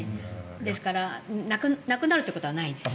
ですからなくなることはないんです。